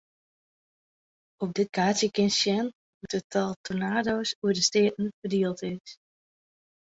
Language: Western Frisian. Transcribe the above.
Op dit kaartsje kinst sjen hoe't it tal tornado's oer de steaten ferdield is.